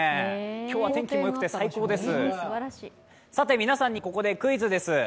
今日は天気もよくて最高です。